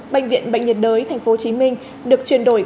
bệnh viện bệnh nhiệt đới tp hcm được chuyển đổi